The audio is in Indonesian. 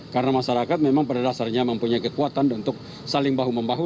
karena masyarakat memang pada dasarnya mempunyai kekuatan untuk saling bahu membahu